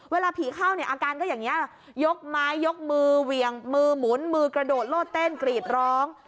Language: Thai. เวลาผีเข้าเนี่ยอาการก็อย่างนี้ยกไม้ยกมือเหวี่ยงมือหมุนมือกระโดดโลดเต้นกรีดร้อง